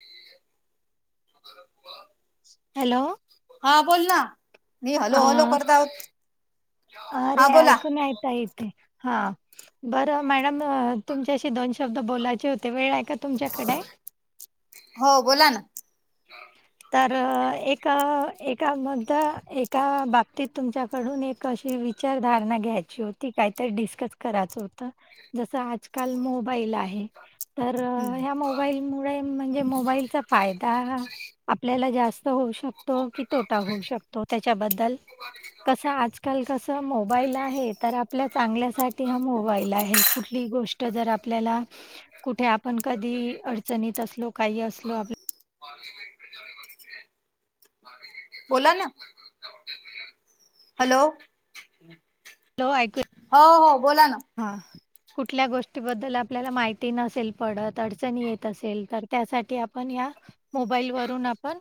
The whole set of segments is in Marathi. मी बर बा हॅलो हा बोल ना मी हलो हलो करता अ रे ऐकू नई येत आता येतय हा बर मॅडम तुमच्याशी दोन शब्द बोलायचे होते वेळ आहे का तुमच्याकडे हो बोला ना तर एका एका मध एका बाबतीत तुमच्याकडून एक अशी विचारधारणा घ्यायची होती काहीतरी डिस्कस कराचं होतं जसं आजकाल मोबाईल आहे तर हम्म ह्या मोबाईल मुळे म्हणजे मोबाईलचा फायदा आपल्याला जास्त होऊ शकतो की तोटा होऊ शकतो त्याच्याबद्दल कस आजकाल कस मोबाईल आहे तर आपल्या चांगल्या साठी हा मोबाईल आहे कुठली गोष्ट जर आपल्याला कुठे आपण कधी अडचणीत असलो काही असलो [unintelligible] [unintelligible] बोला ना हॅलो हॅलो ऐकू येत हो हो बोला ना हा कुठल्या गोष्टीबद्दल आपल्याला माहिती नसेल पडत अडचणी येत असेल तर त्यासाठी आपण या मोबाईल वरून आपण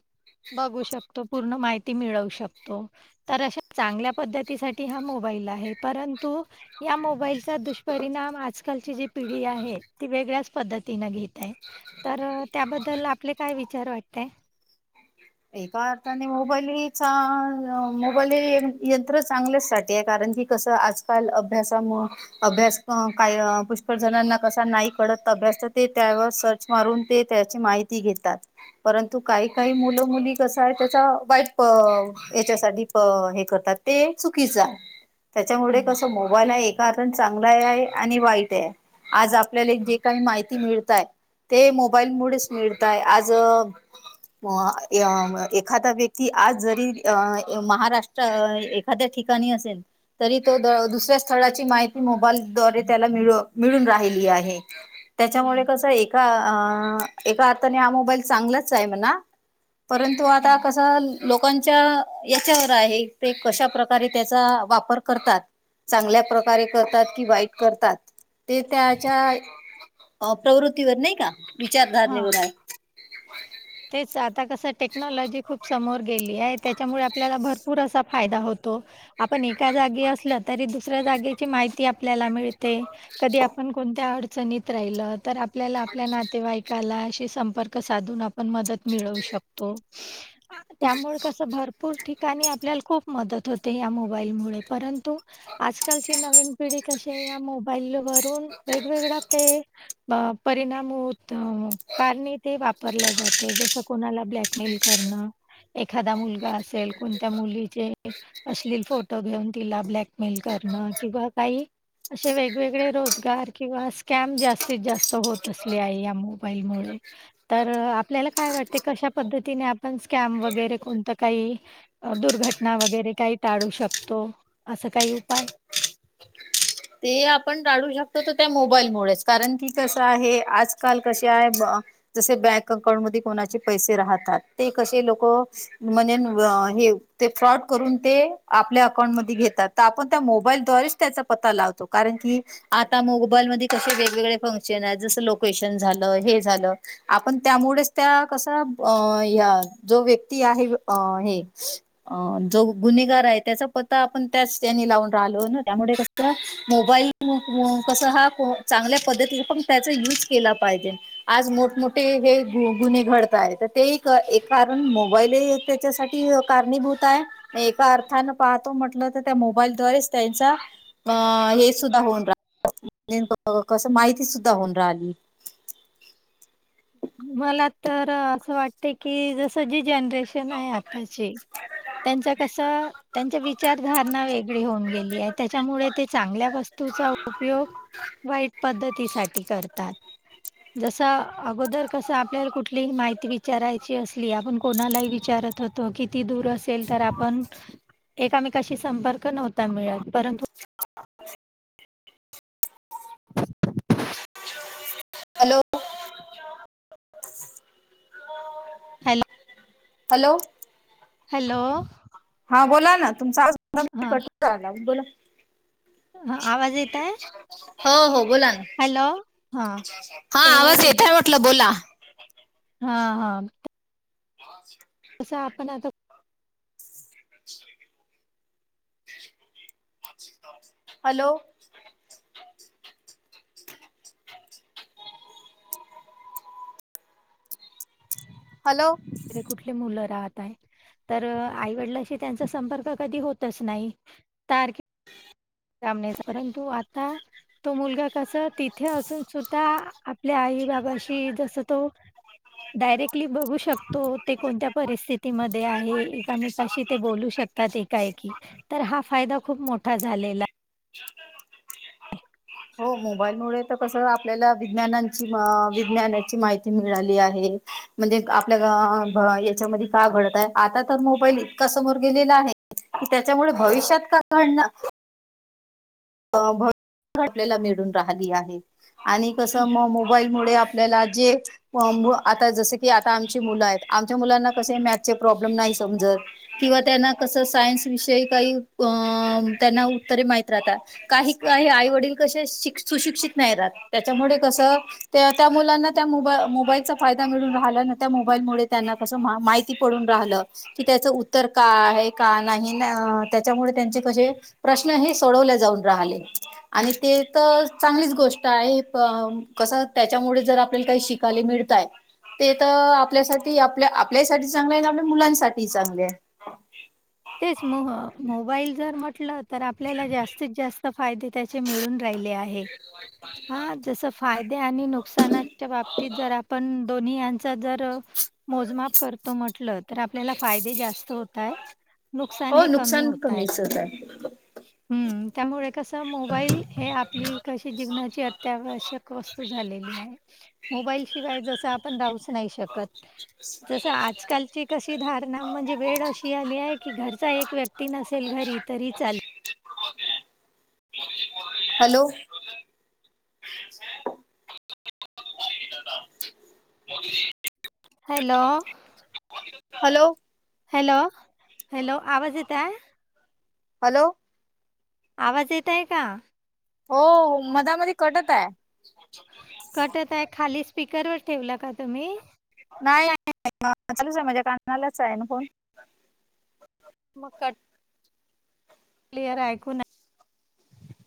बघू शकतो पूर्ण माहिती मिळवू शकतो तर अशा चांगल्या पद्धतीसाठी हा मोबाईल आहे परंतु या मोबाईल चा दुष्परिणाम आजकालची जी पिढी आहे ती वेगळ्याच पद्धतीने घेत आहे तर त्याबद्दल आपले काय विचार वाटतय एका अर्थाने मोबाईलीचा मोबाईल हे यंत्र चांगल्याचसाठी आहे कारण की कसं आजकाल अभ्यासामुळ अभ्यास अ काय पुष्कळ जणांना कसा नाही कळत अभ्यास तर ते त्यावर सर्च मारून ते त्याची माहिती घेतात परंतु काही काही मुल मुली कस आहे त्याचा वाईट ह्याच्यासाठी अ हे करतात ते चुकीचं त्याच्यामुळे हं, कस मोबाईल हा एका अर्थाने चांगलाही आहे आणि वाईटही आहे आज आपल्याले जे हं, काही माहिती मिळताय ते मोबाईल मुळेच मिळताय आज एखादा व्यक्ती आज जरी महाराष्ट्र एखाद्या ठिकाणी असेन तरी तो दुसऱ्या स्थळाची माहिती मोबाईल द्वारे त्याला मिळू मिळून राहिली आहे त्याच्यामुळे हं. कस का एका अर्थाने हा मोबाईल चांगलाच आहे म्हणा परंतु आता हं. कसं लोकांच्या याच्यावर आहे ते कशा प्रकारे त्याचा वापर करतात चांगल्या प्रकारे करतात कि वाईट करतात ते त्याच्या अ प्रवृत्तीवर नाही का हां. विचारधारणीवर आहे तेच आता कसं टेक्नॉलॉजी खूप समोर गेली आहे त्याच्यामुळे आपल्याला भर पूर असा फायदा होतो आपण एका जागी असल तरी दुसऱ्या जागेची माहिती आपल्याला मिळते. कधी आपण कोणत्या अडचणीत राहिल तर आपल्याला आपल्या नातेवाईकाला अशी संपर्क साधून आपण मदत मिळवू शकतो. त्यामुळे कसं भरपूर ठिकाणी आपल्याला खूप मदत होते या मोबाईलमुळे परंतु ह. [unintelligible] आजकालची नवीन पिढी कशी आहे या मोबाईलवरून वेगवेगळ्या अँप ते परिणाम होत कारणे ते वापरल्या जाते. ते जस कोणाला ब्लॅकमेल करणं एखादा मुलगा असेल कोणत्या मुलीचे अश्लील फोटो घेऊन तिला ब्लॅकमेल करणं किंवा काही असे वेगवेगळे रोजगार किंवा स्कॅम जास्तीत जास्त होत असले आहे. मोबाईलमुळे. तर आपल्याला काय वाटते कशा पद्धतीने आपण स्कॅम वगैरे कोणतं काही दुर्घटना वगैरे काही टाळू शकतो असं काही उपाय. ते आपण टाळु शकतो त्या मोबाईलमुळेच. कारण की कसं आहे आजकाल कसे आहे जसे बँक अकाउंट कोणाचे पैसे राहतात ते कसे लोक म्हणेण हे ते फ्रॉड करून ते आपल्या अकाउंटमध्ये घेतात. त आपण त्या मोबाईल द्वारेच त्याचा पत्ता लावतो कारण की आता मोबाइल मध्ये मध्ये कसे वेगवेगळे फंक्शन आहेत जसं लोकेशन झालं हे झालं. आपण त्या कसा अ ह व्यक् [unintelligible] ती आहे हे अ जो गुन्हेगार आहे त्याचा पत्ता आपण त्याच त्यानी लावून राहिलो ना त्यामुळे कस. मोबाईल कसं हा चांगल्या पद्धतीने पण त्याचा यूज केला पाहिजे. आज मोठमोठे हे गुन्हे घडत य आहेत तर ते एक कारण मोबाईल त्याच्यासाठी कारणीभूत आहे. एका अर्थान पाहतो म्हटलं तर मोबाईलद्वारेच त्यांचा अ हे सुद्धा होऊन रा कस माहिती सुद्धा होऊन राहिली. मला तर असं वाटते की जसं जी जनरेशन आहे आताची त्यांचा कस त्यांच्या विचारधारणा वेगळी होऊन गेली आहे त्याच्यामुळे ते चांगल्या वस्तूचा उपयोग वाईट पद्धतीसाठी करतात. जस अगोदर कस आपल्याला कुठली माहिती विचारायची असली आपण कोणालाही विचारत होतो की, ती दूर असेल तर आपण एकमेकाशी संपर्क नव्हता मिळत परंतु [inaudible] [inaudible] हॅलो. हॅलो. Hello hello. हा बोला ना तुमचा आवज हा करला बोला. हा आवाज येतय? हो हो बोला ना. हा हा आवाज तर ज- येतोय म्हंटल बोला. हा हा. [inaudible] तसं आपण आता [unintelligible] हॅलो. [inaudible] हॅलो? [unintelligible] कुठली मुलं राहत आहे? तर आईवडिलांशी त्यांचा संपर्क कधी होतच नाही [unintelligible] [unintelligible] परंतु आता तो मुलगा कसं तिथं असून सुद्धा आपल्या आई बाबांशी जसं तो डायरेक्टली बघू शकतो ते कोणत्या परिस्थितीमध्ये आहे एकमेकाशी ते बोलू शक तात एकाएकी तर हा फायदा खूप मोठा झालेला [inaudible] [inaudible] हो मोबाईलमुळे तर कसं आपल्याला विज्ञानांची म विज्ञानाची माहिती मिळाली आहे. म्हणजे आपल्या [unintelligible] याच्यामध्ये काय घडत आहे आता तर मोबाईल इतका समोर गेलेला आहे. कि त्याच्यामुळे भविष्यात का घडणा [unintelligible] मिळून राहिली आहे. आणि कसं मग मोबाईलमुळे आपल्याला जे [unintelligible] आता जसं की आता आमची मुलं आहेत आमच्या मुलांना कसे मॅथचे प्रॉब्लेम नाही समजत. किंवा त्यांना कसं सायन्स विषयी काही अ त्यांना उत्तरे माहीत राहतात. काही काही आई वडील कसे शिक सुशिक्षित नाही राहत त्याच्यामुळे कसं त्या त्या मुलांना त्या मोबा-मोबाईलचा फायदा मिळून राहिला ना त्या मोबाईलमुळे त्यांना कसं मा-माहिती पडून राहलं. की त्याचं उत्तर का आहे? का नाही? न त्याच्यामुळे त्यांचे कसे प्रश्न हे सोडवले जाऊन राहिले. आणि ते तर चांगलीच गोष्ट आहे [unintelligible] कसं त्याच्यामुळे जर आपल्याला काही शिक ताले मिळतंय. ते तर आपल्यासाठी आपल्या आपल्यासाठीही चांगलं आहे आणि आपल्या मुलांसाठीही चांगले आहे. तेच [unintelligible] मोबाईल घर म्हटलं तर आपल्याला जास्तीत जास त फायदे त्याचे मिळून राहिले आहे, हां जसं फायदे आणि नुकसानाच्या बाबतीत जर आपण दोन्ही यांचा जर र मोजमाप करतो म्हंटल तर आपल्याला फायदे जास्त होत आहे. नुकसान हो हे कमी नुकसान होत आहे. कमीच होत आहे हम्म, त्यामुळे कसं मोबाईल हे आपली कशी जीवनाची अत्यावश्यक वस्तू झालेली आहे. मोबाईलशिवाय जसं आपण राहूच नाही शकत. जसं आजकालची कशी धारणा म्हणजे वेळ अशी आली आहे की घरचा एक व्यक्ती नसेल घरी तरी चाल hello? Hello? Hello? Hello? Hello? आवाज येत आहे? हॅलो? आवाज येत आहे का? हो मधामध्ये कटत आहे. [inaudible] कटत आहे, खाली स्पीकरवर ठेवला का तुम्ही? नाही [unintelligible] माझ्या कानालाच आहे ना फोन. मग कट क्लिअर ऐकू ना-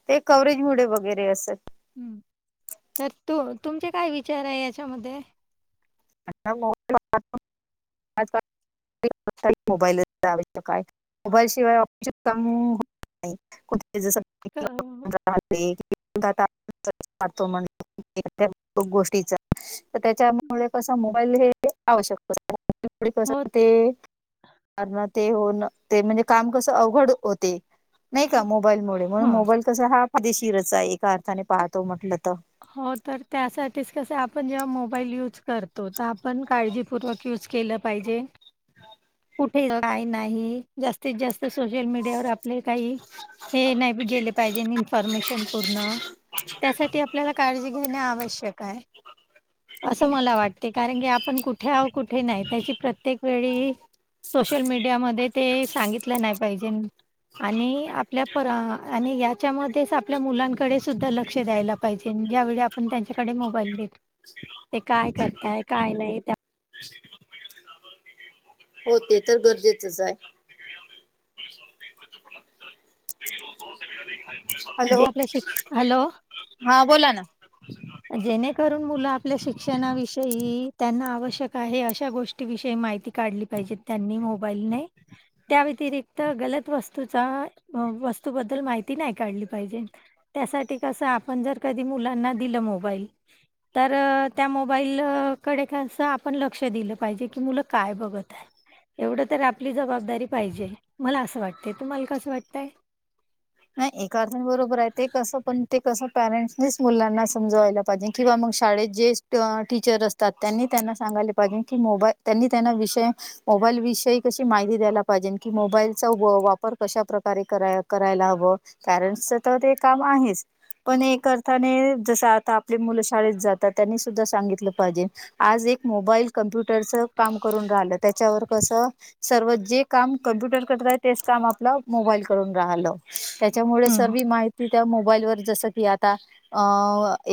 ते कव्हरेज मुळे वगैरे असलं. हम्म, तर तू तुमचे काय विचार आहे यांच्यामध्ये? अचई [inaudible] मोबाईल आहे शिवाय ऑपशम नाही [inaudible] तेज्यासारख क- [unintelligible] राह वात म्हण गोष्टीच [inaudible] तर त्यांच्यामुळे कसं हे मोबाईल हे आवश्यकस हो [unintelligible] अण ते होन ते म्हणजे काम कसं अवघड होते. नाही का मोबाईलमुळे हां म्हणूनमोबाईल तसा हा फायदेशीरच आहे एका अर्थाने पाहतो म्हटलं तर- हो तर त्यासाठीच कस आपण जेव्हा मोबाईल यूज करतो, तर आपण काळजीपूर्वक- यूज केलं पाहिजे. कुठे काय नाही. जास्तीत जास्त सोशल मीडियावर आपले काही- हे नाही गेले पाहिजे इन्फॉर्मेशन पूर्ण. त्यासाठी आपल्याला काळजी घेणे आवश्यक आहे. असं मला वाटते कारण की आपण कुठे आह कुठे नाही त्याची प्रत्येक वेळी- सोशल मीडियामध्ये ते सांगितलं नाही पाहिजे, आणि आपल्या- प आणि यांच्यामध्यें आपल्या मुलांकडे सुद्धा लक्ष द्यायला पाहिजे ज्यावेळी- आपण त्यांच्याकडे मोबाईल देतो, ते काय करताय काय नाही. हो ते तर गरजेचच आहे. हॅलो! जे आपल्या शिक्ष हॅलो हा बोला ना? जेणेकरून मुलं आपल्या शिक्षणाविषयी त्यांना आवश्यक आहे अशा गोष्टी- विषयी माहिती काढली पाहिजे त्यांनी मोबाईल ने- त्या व्यतिरिक्त गलत वस्तूचा वस्तूबद्दल माहिती नाही काढली पाहिजे. त्यासाठी कसं आपण जर कधी मुलांना दिलं मोबाईल, तर त्या मोबाईलकडे कसं आपण लक्ष दिलं पाहिजे की, मुलं काय बघत आहे. एवढं तर आपली जबाबदारी पाहिजे, मला असं वाटते तुम्हाला कसं वाटतंय. ह एका अर्था बरोबर आहे, ते कसं पण ते कसं पॅरेंट्सनीच मुलांना समजवायला पाहिजे. किंवा मग शाळेत जे टीचर असतात, त्यांनी त्यांना सांगायले पाहिजे की मोबाईल त्यांनी त्यांना विषय- मोबाईल विषयी कशी माहिती द्यायला पाहिजे की, मोबाईलचा वापर कशा प्रकारे करा करायला हवा. पेरेंट्च तर ते काम आहेच. पण एक अर्थाने जस आता आपली मुलं शाळेत जातात. त्यांनी सुद्धा सांगितलं पाहिजे. आज एक मोबाईल कॉम्प्युटरचा काम करून राहिलं त्याच्यावर कसं- सर्व जे काम कम्प्युटर करत तेच काम आपलं मोबाईल करून राहत. ह्याच्यामुळे हं, सरवी माहिती त्या मोबाईलवर जस की आता- अ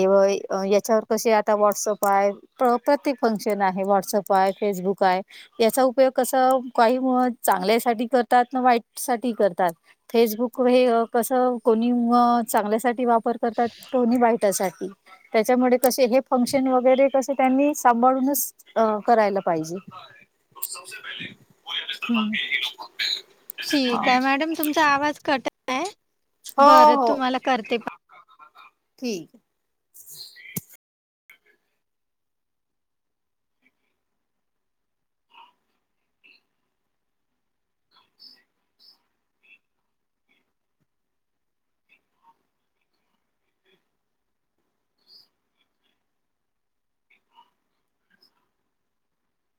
एव यांच्यावर कसे आता व्हॉट्सअप आहे. प्रापर ते फंक्शन आहे व्हॉट्सअप आहे फेसबुक आहे. याचा उपयोग कस काही चांगल्या साठी करतात ना वाईट साठी करतात. फेसबुक हे कसं कोणी चांगल्यासाठी वापर करतात कोणी वाईटासाठी. त्यांच्यामुळे कसे हे फंक्शन वगैरे कसे त्यांनी सांभाळूनच- अं करायला पाहिजे. हम् ठीक आहे. मॅडम तुमचा आवाज कट- हो हो करते ठीक